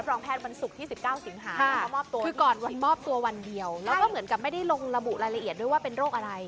บางอย่างที่เป็นอารมณ์ไม่ได้